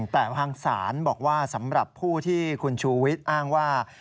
แต่ทางศาลบอกว่าสำหรับผู้ที่คุณชูวิทย์อ้างว่า